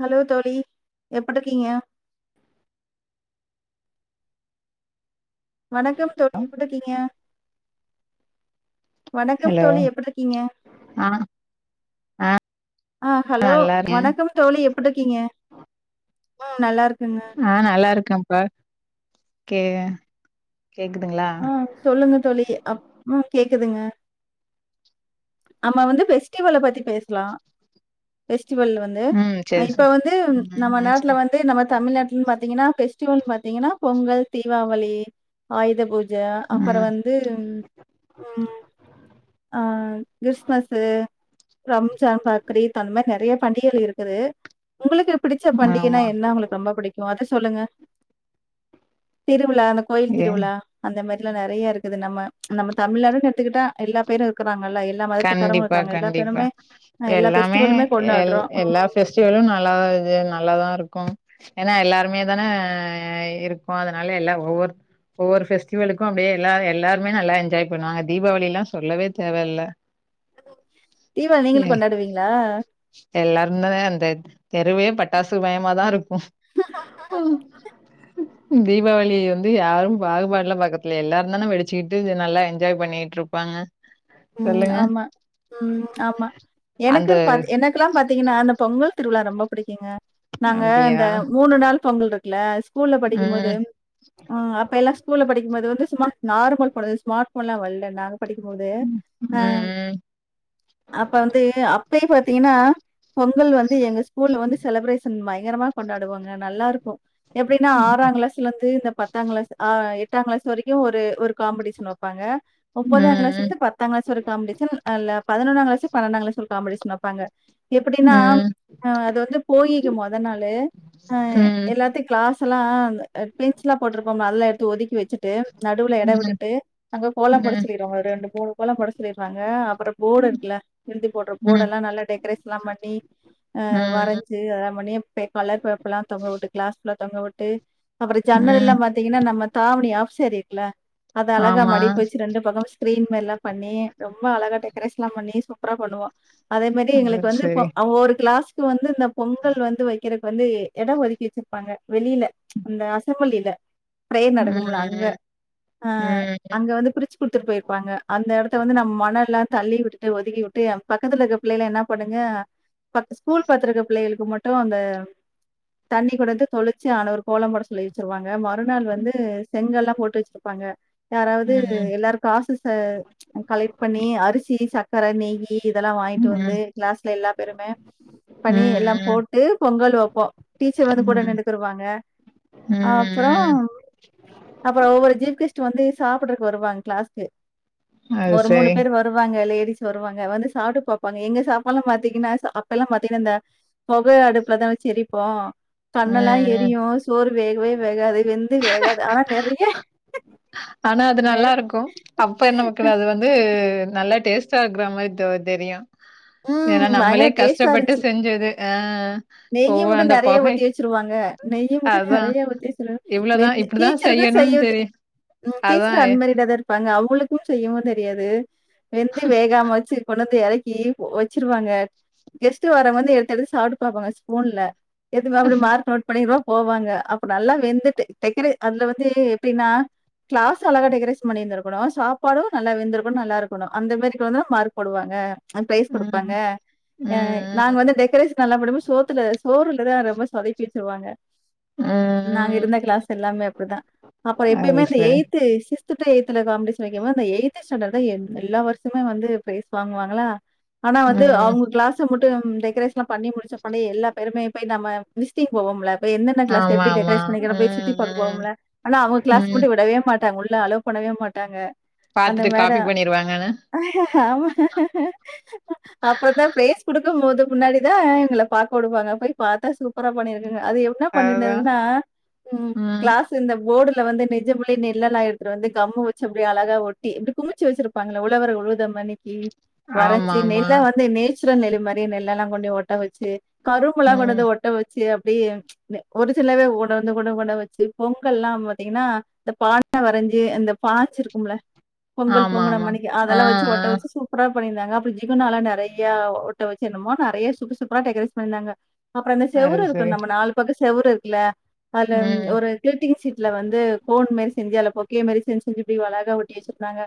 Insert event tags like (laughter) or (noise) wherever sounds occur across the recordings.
Hello தோழி எப்படிருக்கீங்க வணக்கம் தோழி எப்புட்ருக்கீங்க வணக்கம் ஹலோ தோழி எப்டிருக்கீங்க ஆ ஆஹ் ஹலோ நல்லா இருக்கே வணக்கம் தோழி எப்டிருக்கீங்க உம் நல்லாருக்கேங்க ஆ நல்லா இருக்கேன்ப்பா கே கேக்குதுங்ளா அ கேக்குதுங்க நம்ம வந்து ஃபெஸ்ட்டிவல பத்தி பேசலா வெஸ்ட்டிவல் வந்து ம் அ சேரி ச இப்ப வந்து ம் நம்ம ம் ச நாட்டுல வந்து நம்ம தமிழ்நாட்லன் பாத்தீங்கன்னா ஃபெஸ்டிவல் பத் திங்கன்னா பொங்கல் தீவாவளி ஆயுத பூ ஜா அப்புற ம் வந்து ம் ஆ கிறிஸ்மஸ்ஸு ரம்ஜான் பக் ரித் அந்த மாரி நெறைய பண்டிகல் இருக்குது உங்களுக்கு பிடிச்ச பண்டிகைனா ஆமா என்ன உங்களுக்கு ரொம்ப புடிக்கு அத சொல்லுங்க திரு விழா அந்த கோயில் ஏ திருவிழா இந்த மாரி எல்லா நெறைய இருக்குது நம்ம ச் நம்ம தமிழ்நாடுன் எடுத்துக்கிட்டா எல்லா பேரு இருக்கறாங் கண்டிப்பா கண்டிப்பா அ எல்லா எல்லாமே ஃபெஸ்டிவலுமே எ கொண்டாடுறோம். எல்லா ம். ஃபெஸ்டிவலு நல்லா இது நல்லாதா இருக்கு ஏன்னா எல்லாருமே தான இருக்கோ அதனால எல்லா ஒவ்வொருத் ஒவ்வொரு ஃபெஸ்டிவலுக்கு அப்டியே எல்லா எல்லாருமே நல்லா என்ஜாய் பண்ணுவாங்க தீபாவளி எல்லா சொல்லவே தேவல்ல தீவாளி நீங்களு கொண்டாடுவீங்களா எல்லாருந்தான அந்த தெருவே பட்டாசு மயமாதா இருக்கு ஓ ஓ தீபாவளி வந்து யாரு பாகுபாடலா பாக்கரத்தில்ல எல்லாரு தான வெடிச்சுட்டு நல்லா என்ஜாய் பண்ணிட்ருப்பாங்க ம் சொல்லுங்க ஆம்மா ம் ஆம்மா அந்த எனக்குன் பாத்தீங் எனக்கலா பாத்தீங்கன்னா இந்த பொங்கல் திருவிழா ரொம்ப புடிக்குங்க நாங்க அப்டியா அந்த மூணு நாள் பொங்கல்ருக்குல ஸ்கூல்ல படிக்கு போது ம் ஆ அப்ப எல்லா ஸ்கூல்ல படிக்குபோது வந்து சும்மா நார்மல் போனு ஸ்மார்ட் போன்லா வல்ல நாங்க படிக்கு போது அ ம் அப்ப வந்து அப்பயே பாத்தீங்கன்னா பொங்கல் வந்து எங்க ஸ்கூல் வந்து செலபரேஷன் பயங் பயங்கரமா கொண்டாடுவாங்க நல்லாருக்கு எப்டின்னா ஆறாங் கிளாஸ்ல இருந்து இந்த பத்தாங் கிளாஸ் ஆ எட்டாங் கிளாஸ் வரைக்கு ஒரு ஒரு காம்படிஷன் வப்பாங்க ஒம்பதாங் க்ளாஸ்ல ம் இருந்து பத் பத்தாங் க்ளாஸ் ஒரு காம்படிஷன் அ ல பதனொன்னா டாங் க்ளாஸு பணடாங் க்ளாஸு ஒரு காம்படீசன் வப்பாங்க ம் எப்டின்னா ம் அது வந்து போகிக்கு மொத நாளு ஆ ம் எல்லாத்தியு க்ளாஸ் சலா அந்த ஆட் பென்ச்லா போட்டிருப்போம்ல அதெல்லா எடுத்து ஒதுக்கி வச்சிட்டு நடுவுல இட விட்டுட்டு அங்க கோல ம் போடச் சொல்லிருவாங்க ஒரு ரெண்டு மூணு போட சொல்லிற்றாங்க அப்புறோ போர்டு ம் இருக்குல எழுதி போட்ற போர்ட் ம் எல்லா நல்லா டெக்கரேஷன்லா பண்ணி ஆ ம் வரஞ்சி அதலா பண்ணி பே கலர் பேப்பர்லா தொங்க வுட்டு க்ளாஸ் ஃபுல்லா அங்க வுட்டு அப்பற ஜன்னல்லா ம் பாத்தீங்கன்னா நம்ம தாவணி ஆஃப்சேரி இருக்குல அது அலகா ஆமா மடிப் வெச்சி ரெண்டு பக்கமு க்ரீன் மேற்ல பண்ணி ரொம்ப அலகா டெக்கரேஸ்ல்லா பண்ணி சூப்பரா பண்ணுவோ அதே மாரி அது எங்குளுக்கு வந்து ப் செரி ஒவ்வொரு க்ளாஸ் இப்போ வந்து இந்த பொங்கல் வந்து வைக்கறக்கு வந்து எடோ ஒதுக்கி வச்சிருப்பாங்க வெளியில அந்த அசம்பளில ப்ரேயர் நடக்கும்ல அங்க ம் அ ம் அங்க வந்து பிரிச் குத்துட் போயிருப்பாங்க அந்த எடத்த வந்து நம்ம மனல்லா தள்ளி விட்டுட்டு ஒதுக்கி விட்டு எப் பக்கத்துல இருக்க பிள்ளைள என்னா பண்ணுங்க ப ஸ்கூல் பாத்துருக்க பிள்ளைகளுக்கு மட்டு ம் அந்த தண்ணி கொடத்து தொளிச்சு ஆன ஒரு கோலம் போட சொல்லி வச்சிருவாங்க மறுநாள் வந்து செங்கல்லா போட்டு வச்சிருப்பாங்க யாராவது ம் எல்லாருக்கு காசு செ கலெக்ட் பண்ணி அரிசி சக்கர நெய்யி யி இதெல்லா ம் வாங்கிட்டு ம் வந்து க்ளாஸ்ல எல்லா பேருமே பண்ணி எல்லா ம் போட்டு பொங்கல் வப்போம் டீச்சர் வந்து ம் கூட ம் நின்டுக்குருவாங்க ம் அப்றோம் அப்றம் ஒவ்வொரு ஜீப் கெஸ்ட் வந்து சாப்டுறதுக்கு வருவாங்க கிளாஸ்க்கு அது ஒரு மூணு செரி பேரு வருவாங்க லெ டீஸ் வருவாங்க வந்து சாப்ட்டு பாப்பாங்க எங்க சாப்பால்லா பாத்தீங்கன்னா அப்பல்லா பாத்தீங்கன்னா இந்த பொக அடுப்புலதா வெச்சி எரிப்போ ம் கண்ணெல்லா ம் எரியு சோறு வேகவே வேகாது வெந்து வேகா ஆனா நெறைய ஆனா அது நெ நல்லா இருக்கு அப்ப நம க்கு அது வந்து நல்லா டேஸ்ட்டா இருக்குறா மாரி தொ தெரியு ம் ஏனா பயங்கர நம்மளே கஷ்டப்பட்டு செஞ்சது ஆ ஓ நெய்யி மட்டு அந்த நறைய பொகை ஊத்தி வெச்சிருவாங்க நெய்ய மட்டு அதான் நறைய ஊத்தி வச்சிரு வெந் இவ்ளோதான் இப்டிதான் டீச்சருக்கு செய்யணும்னு செய்யுது தெரியும். ம் அதான் டீச்சர் அன்மேரிடா தா இருப்பாங்க அவ்ங்குளுக்கு செய்யவு தெரியாது வெந்து வேகாம வச்சி கொண்டந்து எறக் கி வச்சிருவாங்க கெஸ்ட்டு வரங் வந்து எடுத்து எடுத் சாப்டு பாப்பாங்க ஸ்பூன்ல எதும அப்டி மார்க் நோட் பண்ணிருவோ போவாங்க அப்ப நல்லா வெந்துட்டு டெக்கரே அதுல வந்து எப்டினா க்ளாஸ் அழகா டெக்கரேஷன் பண்ணிருந்திருக்குணு சாப்பாடு நல்லா வெந்துருக்கணு நல்லாருக்கணு அந்த மாரி கொண் வந்தா மார்க் போடுவாங்க ப்ரைஸ் கொடுப்பாங்க ம் ம் நாங்க வந்து டெக்கரேஷ் சோத்துல சோறுல தான் ரொம்ப சொதப்பி வச்சிருவாங்க ம் நாங்க ம் இருந்த கிளாஸ் எல்லாமே அப்படிதான் அப்புறம் அது எப்பயுமே அந்த சரி. எயிட்து சி சீஸ்த் டூ எயிட்து காம்படிீஷன் வைக்கும்போது அந்த எயிது ஸ்டாண்டர்ட தான் எல்லா வருஷமே வந்து பிரைஸ் வாங்குவாங்களா ஆனா வந்து ம் அவங்க கிளாஸ் மட் டெக்கரேஷ் பண்ணி முடிச்ச ப எல்லா பேருமே போய் நம் விசிட்டிங் போவோம்ல ப்பனென கிளஸ்ல ஆமா எப்படி ஆமா. டெரேஷன் சுத்தி ம் பாக்க போவோம்ல ஆனா அவங்க கிளாஸ் ம் ம் மட்டும் விடவே மாட்டாங்க உள்ள அளோ போண்ணவே மாட்டாங்க அந்த பாத்துட்டு மேட காப்பி பண்ணிருவாங்கன்னு. ஆமா அப்புறத்தான் ப்ளேஸ் குடுக்கும் போது உன்னடி (unintelligible) தான் எங்களை பார்க விடுப்பாங்க போய் பார்த்தா சூப்பரா பண்ணிரு அது என்ன அதுதான் பண்ணிருன்னா ம் கிளாஸ் இந்த போர்டுல வந்து நிஜ புலி நெல்லல் எடுத்துட்டு வந்து கம் வி அப்படி அளாக ஒட்டி குமிச்சு வச்சிருப்பாங்கள உழவர உழுத மணிக்கு ஆமா வரைஞ்சு ஆமா. நெல்ல வந்தே நே குத்ரா மாரி நெல்லல்லா (unintelligible) ஒட்ட வச்சு கரும் ம் மளாவானத ஒட்ட வச்சு அப்படி ஒரு சிலவே கூட வந்து கூட கூட வச்சு பொங்கல் எல்லாம் பாத்தீங்கன்னா இந்த பானை வரைஞ்சு அந்த பாய்ச்சிருக்கும்ல பொங்கல் ஆமா பொங்கன ஆமா. மணிக்கு ஆ அதெல்லாம் வச்சு ஆ ஒட்ட வச்சு சூப்பரா பண்ணிருந்தாங்க அப்றோ ஜிகுநாலா நறையா ஒட்ட வச்சி என்னமோ நறையா சூப்பர் சூப்பரா டெக்கரேட் பண்ணிருந்தாங்க அப்றோ அந்த அது செவுரு இருக்கு சரி. நம்ம நாலு பக்க செவுரு இருக்குல அதுல ம் ஒரு கிளிட்டிங் சீட்ல வந்து கோன்மெஸ் செஞ்சால பொக்கே மாரி செஞ்சு செஞ்சு எப்டி அழகா ஒட்டி வச்சிருகாங்க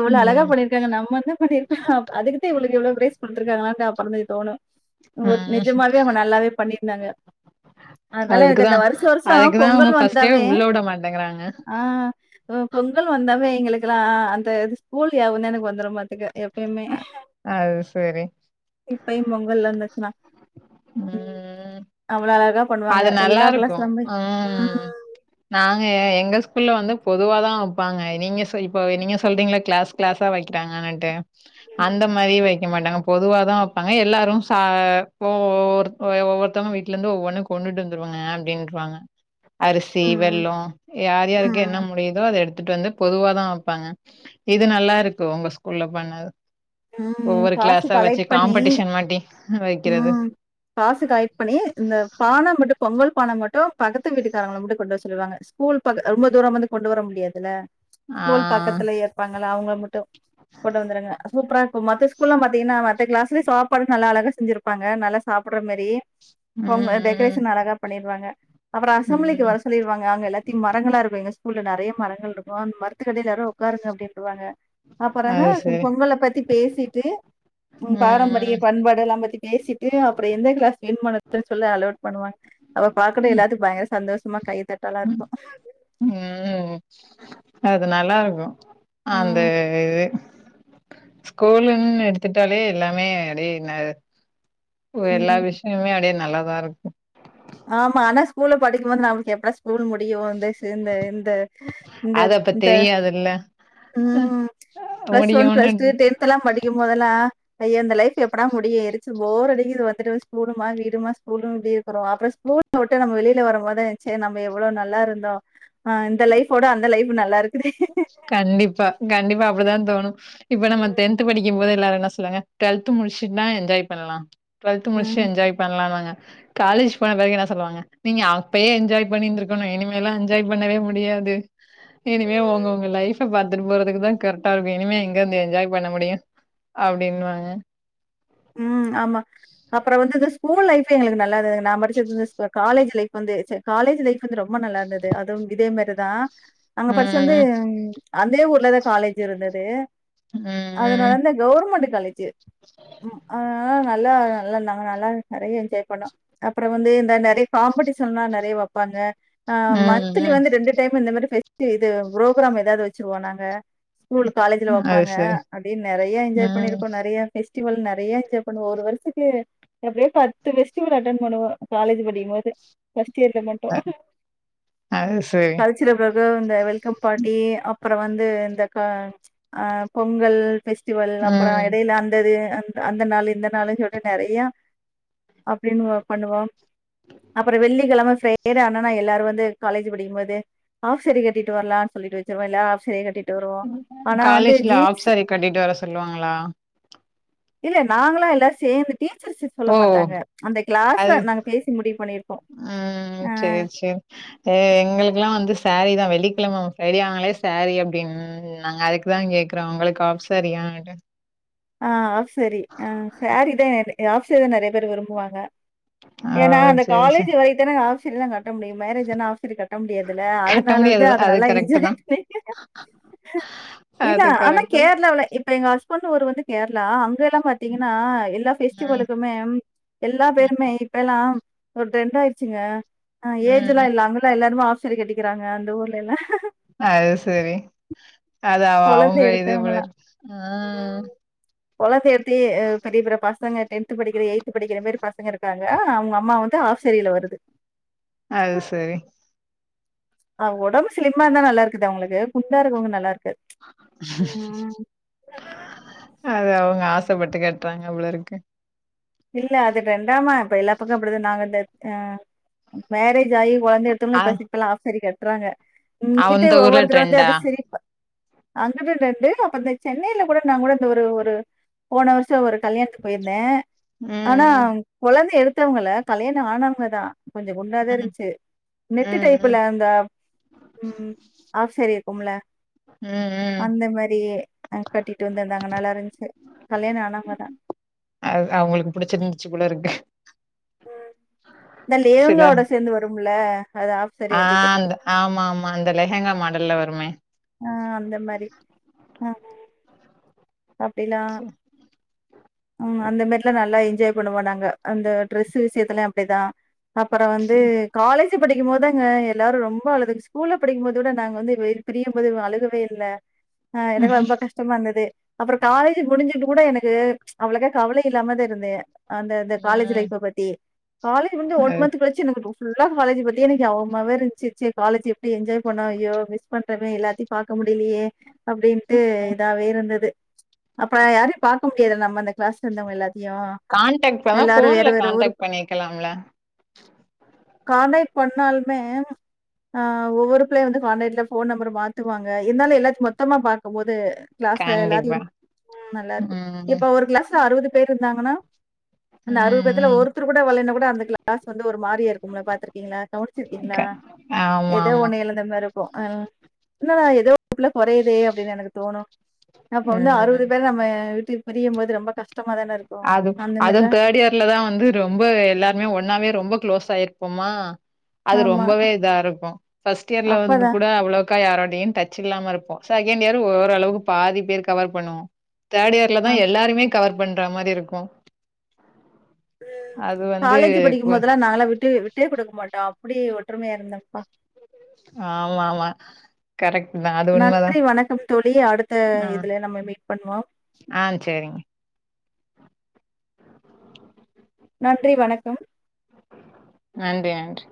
எவ்ளோ அழகா ம் பண்ணிருக்காங்க நம்ம என்ன பண்ணிருக்கோ அதுக்கு தா இவுளுக்கு இவ்ளோ பிரைஸ் குடுத்துருகாங்களா (unintelligible) தோணும் ம் நெஜமாவே அவுங்க நல்லாவே பண்ணிருந்தாங்க அதுனால எனக்கு அந்த அதுக்குதான் வருஷோ வருஷோ அதுக்குதான் அவங்க பொங்கல் ஃபர்ஸ்ட்டே வந்தாவே உள்ள விட மாட்டேங்கிறாங்க ஆ பொங்கல் வந்தாவே எங்குளுக்கு இருக்கலா அந்த இது ஸ்கூல் யாவகம் தா எனக்கு வந்துரும் ஆட்டுக்கு ஆ அது சரி இப்பயு பொங்கல் வந்துச்சுனா ம் அவ்வளோ அழகா பண்ணுவாங்க. அது நல்லா எல்லா கிளாஸ் இருக்கு. ரூம்லயும் ம் நாங்க எங்க ஸ்கூல்ல வந்து பொதுவா தா வப்பாங்க. நீங்க ச இப்போ நீங்க சொல்றீங்கில்ல கிளாஸ் கிளாஸா வக்கிறாங்கன்னுட்டு அந்த மாரி வெக்க மாட்டாங்க. பொதுவா தா வப்பாங்க. எல்லாரு ச ஒ ஒரு ஒவ்வொருத்தவங்க வீட்ல இருந்து ஒவ்வொன்னு கொண்டுட்டு வந்துருவாங்க அப்டின்றுவாங்க. அரிசி, ம், வெல்லோ. யார் யாருக்கு என்ன ம், முடியிதோ அத எடுத்துட்டு வந்து பொதுவாதா வப்பாங்க. இது நல்லா இருக்கு உங்க ஸ்கூல்ல பண்ணது. உம் ஒவ்வொரு காசு கிளாஸா வச்சு கலெக்ட் பண்ணி, காம்படிஷன் மாட்டி வைக்கிறது உம் காசு கலெக்ட் பண்ணி இந்த பான மட்டு பொங்கல் பான மட்டு பக்கத்து வீட்டுக்காரங்கள மட்டு கொண்டு வர சொல்லுவாங்க. ஸ்கூல் பக் ரொம்ப தூரம் வந்து கொண்டு வர முடியாதுல்ல. ஆ ஸ்கூல் பக்கத்துல இர்ப்பாங்க இல்ல. அவுங்கள மட்டு கொண்டு வந்துருங்க. சூப்பரா இருக்கு. மத்த ஸ்கூல்லா பாத்தீன்னா மத்த கிளாஸ்லயு சாப்பாடு நல்ல அழகா செஞ்சிருப்பாங்க நல்லா சாப்ட்ற மாரி அவுங்க ம் ம் டெக்கரேஷன் அழகா பண்ணீருவாங்க. அப்றோ அசெம்ப்ளிக்கு ம் வர சொல்லிருவாங்க அங்க எல்லாத்திம் மரங்களா இருக்கு எங்க ஸ்கூ ஸ்கூல்ல நெறைய மரங்கள் இருக்கு அந்த மரத்துக்கடீல்ல எல்லாரும் ஒக்காருங்க அப்டீனுன்ருவாங்க. அப்பற என்ன அது சரி பொங்கல் அப் பேசிட்டு ம் பாரம்பரிய பண்பாடு எல்லா பத்தி பேசிட்டு, அப்றோ எந்த கிளாஸ் வேணுமோ (unintelligible) சொல்ல அலவுட் பண்ணுவாங்க. அப்ப பாக்கணு எல்லாத்துக்கு பயங்கர சந் சந்தோஷமா கைய ம் உம் அது நல்லா இருக்கு. ஆ அந்த இது ஸ்கூல்ன்னு எடுத்துட்டாலே எல்லாமே அப்டி நா ஓ எல்லா ம் விஷ்யமே அப்டியே நல்லா இருக் (unintelligible) இருக்கு. ஆமா, ஆனா ஸ்கூல்ல படிக்கபோது நம்ளுக்கு எப்படா ஸ்கூல் முடியு வந்து இந்த இந்த இந்த அது அப்ப ந்த தெரியாதுல்ல ம் பிளஸ் ஒன், பிளஸ் முடியும்னு டூ, டென்ட் எல்லா படிக்கு போதெல்லா ஐய இந்த லைஃப் எப்படா முடியு எரிச்சல், போர் அடிக்கிது வந்துட்டு ஸ்கூலுமா, வீடுமா, ஸ்கூலும், வீடும் இப்டி இருக்குறோ அட்ரஸ் ஊட்ட வுட்டு நம்ம வெளில வருபோது சேர் நம்ம எவ்ளோ நல்லா இருந்தோ. ஆ இந்த லைஃப்ப விட அந்த லைஃப் நல்லா இருக் கண்டிப்பா, கண்டிப்பா அப்படிதா தோணு இப்ப நம்ம டென்த் படிக்கு போது எல்லாரு என்ன சொல்வாங்க? டுவெல்த் முடிச்சிட் தா என்ஜாய் பண்ணலா டுவெல்த் முடிச்சிட் ம் என்ஜாய் பண்ணலாம்னுவாங்க. காலேஜ் போன பிறகு என்ன சொல்லுவாங்க? நீங்க அப்பயே என்ஜாய் பண்ணிருந்துக்கணு இனிமே எல்லா என்ஜாய் பண்ணவே முடியாது. இனி இனிமே ஒங்க, ஒங்க லைஃப்ப பாத்துட் போறதுக்கு தா கரெக்டா இருக்கு. இனிமே எங்கருந்து என்ஜாய் பண்ண முடியு அப்டின்வாங்க. உம் ஆமா அப்புறோ வந்து ஸ்கூல் லைஃப் எங்களுக்கு நல்லாதா நா (unintelligible) காலேஜ் லைஃப் வந்து சே காலேஜ் லைஃப் வந்து ரொம்ப நல்லா இருந்தது அதுவும் இதே மாரிதா அங்க படிச்சு வந்து ம், அந்தே ஊர்லதா காலேஜ் இருந்தது ம், ம், அதனாலயிந்தா கவுர்மெண்ட் காலேஜ்ஜு (inaudible) ஆ ஆ நல்லா நல்லா நல்லா நறைய என்ஜாய் பண்ணோ அப்புறோ வந்து இந்த நெறைய காம்படிஷன்லா நெறைய வெப்பாங்க ஆஹ ம், மந்திலி வந்து ரெண்டு டைம் இந்த மாரி பே இது பு்ரோக்ராம் ஏதாவது வச்சிருவோ நாங்க ஸ்கூல் காலேஜ்ல ம். அது வப்பாங்க சரி. அப்டியே நெறைய என்ஜாய் ம். பண்ணிருக்கோ நெறைய பெஸ்டிவல் நெறைய என்ஜாய் பண்ணுவொ ஒரு வருஷதுக்கு எப்படியோ பத்து பெஸ்டிவல் அட்டன் பண்ணுவோ காலேஜ் படிக்கும் போது தியர்க்க அ மாட்டோம் அது சரி. கல்ச்சுரல்ல அப்றோ இந்த வெல் ல்கம் பார்ட்டி அம் அப்புறோ வந்து இந்த க அ பொங்கல் பெஸ்டிவல் அப்பறொ ம். எடையில அந் அப்டியே அ அந்த நாள் இந்த நாளுன்னு சொல்லிட்டு நெறைய அப்டின்னு பண்ணுவோம் அப்றோ வெள்ளிக்கிலம (unintelligible) எல்லாரும் வந்து காலேஜ் படிக்கும் போது ஆஃப் சாரீ கட்டிட்டு வரலான் சொல்லிட்டு வச்சருவொ எல்லா ஆஃப் சாரீ கட்டிட் காலேஜ்ல ஆப் சாரி கட்டிட்டு வர சொல்லுவாங்களா இல்ல நாங்களா எல்லா சேந்து ஓ அது நாங்க பேசி முடிவு பண்ணிருப்போ உம் செரி செரி எங்களுக்கெல்லாம் வந்து சாரீ தா வெள்ளிக்கிலம ஃப்ரைடே ஆனாலே சாரீ அப்டின்னு நாங்க அதுக்குதா கேக்குறோ உங்களுக்கு ஆஃ சாரீயானு ஆஹ் ஆஃப் சாரீ ஆஹ் சாரீதா ஆஃசாரி தா நெறைய பேர் விரும்புவாங்க ஓ ஏன்னா அந்த சேரி சேரி காலேஜ் வரைத்தான ஆஃசாரீல்லா கட்ட முடியு மேரேஜ்ஜான ஆஃசாரீ கட்ட முடியாதுல கட்ட அதனால வந்து முடியாது அத அது நல்லா கரெக்ட் தா என்ஜாய் பண்ணி இல்ல அது ஆனா கரெக்ட் ம் கேரளாவ்ல இப்ப எங்க ஹஸ் பொண்ணு ஒரு வந்து கேரளா அங்க எல்லா பாத்தீங்கன்னா எல்லா பெஃஸ்டிவலுக்குமே எல்லா ம் பேருமே இப்ப எல்லா ஒரு டென்டாயிடுச்சுங்க ஆஹ் ம் ஏஜ்ஜெல்லா ம் இல்ல அவங்கல்லா எல்லாருமே ஆஸ் சாரீ கட்டிக்கிறாங்க அந்த ஊர்ல எல்லா அது செரி அது குழந்தை அவங்க இது போல எடுத்தவங்கலாம். இருக்கு ஆ குழந்தை சேர்த்தி பெரிய பெரிய பசங்க டென்த் படிக்கிற எயி்த் படிக்கிற மாரி பசங்க இருக்காங்க அவங்க அம்மா வந்து ஆப்சாரில வருது அது சரி ஆ ஓடம்பு சிலிம்மா இருந்தா தான் நல்லா இருக்குது அவங்களுக்கு குண்டாடுறவங்க நல்லா இருக்கது ஆ (unintelligible) அது அவங்க ஆசைப்பட்டு கட்டுறாங்க போல இருக்கு இல்ல அது ரெண்டாம இப்ப எல்லா பக்கம் அப்டிது தான் நாங்க மேரேஜ் கையி குழந்தை எடுத்தோ ஆ பசிலாம் ஆஃப்சாரி கிடை கட்டுறாங்க இ்ங்கிட்ட அந்த ஊர்ல ஒவ்வொருத்தர் வந்து ட்ரெண்டா அதை சிரிப்பா அங்குட்டு (unintelligible) அப்ப இந்த சென்னைல கூட நா கூட இந்த ஒரு ஒரு போன வர்ஷோ ஒரு கல்யாணத்துக்கு போயிருந்தே ஆனா ம் கொழந்தை எடுத் மத்தவங்கல்ல கல்யாணோ ஆனவங்க தா கொஞ்சோ குண்டா தா ம் இருந்ச்சு ம் நெட்டு ம் டைப்புல அந்த ம் ஆஃப் ஸாரி இருக்கும்ல ம் ம் ம் அந்த மாரி அ, கட்டிட்டு வந்திருந்தாங்க நல்லா இருந்ச்சு கல்யாணோ ஆனாவங்க தா அது அவங்களுக்கு புடிச்சிருந்ச்சு போல இருக்கு ம் சில அது ஆஃப் சாரி ஆ அப்டி அந்த கட்டிக்கிறது. ஆமா ஆமா அந்த லெஹங்கா மாடல்ல வருமே ஆ அந்த மாரி ஆ அப்டிலா சேர் ம் அந்த மாரிலா நல்லா இர் என்ஜாய் பண்ணுவோம் நாங்க அந்த டிரெஸ்ஸு விஷயத்துல அப்டி தா அப்பறோ வந்து சேரி காலேஜ் த்து படிக்கும் போதுதாங்க எல்லாரும் ரொம்ப அழுது ஸ்கூல்ல படிக்கும்போது கூட நாங்க வந்து வெ பிரியும் போது அழுகவே இல்ல ஆ எனக்கு ரொம்ப கஷ்டமா இருந்துது அப்பறோ காலேஜ் முடிஞ்சுட்டு கூட எனக்கு அவ்வளோக்கா கவல இல்லாம தா இருந்தே அந்த இந்த காலேஜ் ம் லைஃப்ப பத்தி காலேஜ் முடிஞ்சு ஒன் அது மன்த்து கழிச்சு எனக்கு (unintelligible) ஃபுல்லா காலேஜ் பத்தி எனக்கு நியாவமாவே இருந்ச்சு ச்சு காலேஜு அப்படி என்ஜாய் பண்ணோ ஐயோ மிஸ் பண்ட்டமே எல்லாத்தயு பாக்க முடியிலயே அப்டின்ட்டு இதாவே இருந்தது அப்ப யாரையு பாக்க முடியாதுல்ல நம்ம அந்த கிளாஸ்ல இருந்தவங்க எல்லாத்தையும். கான்டக்ட் அதா எல்லாரும் வேற, ஃபோன்ல வேற ஊரு கான்டக்ட் பண்ணிக்கலாம்ல்ல கான்டக்ட் பண்ணாலுமே ஆ ஒவ்வொரு பிள்ளையு வந்து காான்டக்ட்ல ஃபோன் நம்பரு மாத்துவாங்க இருந்தாலு எல்லாத்தயு மொத்தமா பாக்கும் போது கிளாஸ்ல எல்லாத்தியு கண்டிப்பா ம் நல்லா ம் இருக்கே இப்ப ஒரு க்ளாஸ்ல அறுபது பேரு இருந்தாங்கனா ம் அந்த அறுபதுபேத்துல ம் ஒருத்தருக்கு கூட வருளேனா கூட அந்த கிளாஸ் வந்து ஒரு மாரியா இருக்கும்ல பாத்துருக்கீங்களா? க கவனிச்சிருக்கீங்களா? ஆமா ஏதோ ஆமா ஒன்ன இழந்த மாரி இருக்கோ அ இன்னா ஏதோ ஒருபுள்ள குறையுதே அப்டீன்னு எனக்கு தோணோ இப்ப வந்து அறுவது ம் பேர் நம்ம விட் இது பிரியும்போது ரொம்ப கஷ்ட் அது அதுவு தேர்ட் இயர்ல தா வந்து ரொம்ப எல்லாருமே ஒன்னாவே ரொம்பக் க்ளோஸாயி ருப்போமா அது ஆமா. ரொம்பவே இதா இருக்கோ ஃபர்ஸ்ட் இயர்ல வந்து அப்பதான். கூட அவ்ளோ அப்ப யாரோடயு டச் இல்லாம இருப்போ. செகண்ட் இயர் ஓரளவுக்கு பாதி பேர் கவர் பண்ணுவோம் தேர்ட் இயர்ல தா அ. எல்லாருமே கவர் வேற மாரிருக்கு (unintelligible) காலேஜு படிக்கும்போதெல்லா நாங்களாம் விட்டு விட்டே கொடுக்க மாட் அப்டி ஒற்றுமையா இருந்தப்பா ஆமா ஆமா கரெக்ட் தா அது உண்மதா நன்றி வணக்கம் தோழி அடுத்த ஆ இதுல நம்ம மீட் பண்வோ ஆ சேரிங்க நன்றி வணக்கம் நன்றி நன்றி